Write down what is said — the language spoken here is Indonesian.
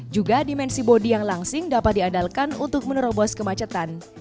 juga dimensi bodi yang langsing dapat diandalkan untuk menerobos kemacetan